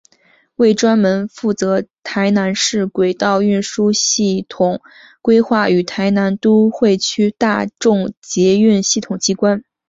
为专门负责台南市轨道运输系统规划与台南都会区大众捷运系统机关。